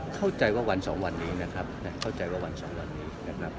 เข้าใจว่าวันสองวันนี้นะครับเข้าใจว่าวันสองวันนี้นะครับ